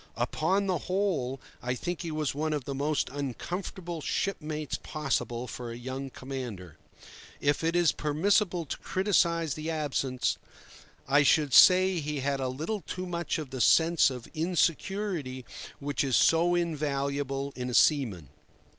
Upon the whole, I think he was one of the most uncomfortable shipmates possible for a young commander. If it is permissible to criticise the absent, I should say he had a little too much of the sense of insecurity which is so invaluable in a seaman.